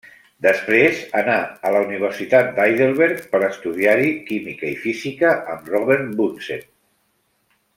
Després anà a la Universitat de Heidelberg per estudiar-hi química i física amb Robert Bunsen.